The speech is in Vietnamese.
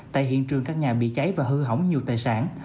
tại hiện trường các nhà bị cháy và hư hỏng nhiều tài sản